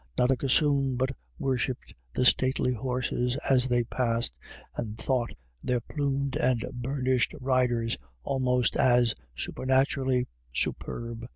Not a gossoon but worshipped the stately horses as they passed, and thought their plumed and burnished riders almost as supernaturally superb.